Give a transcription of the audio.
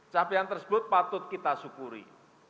cap yang tersebut patut kita syukuri